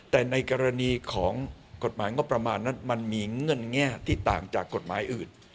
แต่ในกรณีของกฎหมายงบประมาณนั้นมันมีเงื่อนแง่ที่ต่างจากกฎหมายอื่น